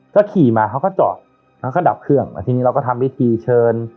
ก็ขี่มาเขาก็จอดแล้วก็ดับเครื่องแล้วทีนี้เราก็ทำวิธีเชิญ